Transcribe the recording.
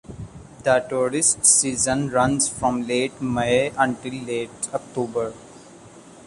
The tourist season runs from late May until late October.